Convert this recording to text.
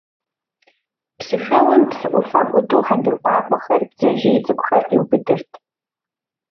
Псыхэуэм, псы ӏуфэм ӏуту, хьэндыркъуакъуэхэр, бдзэжьей цӏыкӏухэр къиубыдырт.